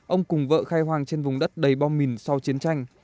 ông cùng vợ khai hoàng trên vùng đất đầy bom mìn sau chiến tranh